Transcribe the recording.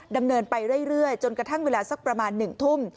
ดำเนินไปเรื่อยจนกระทั่งเวลาสักประมาณ๑ทุ่ม